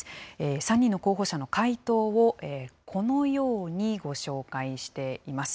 ３人の候補者の回答をこのようにご紹介しています。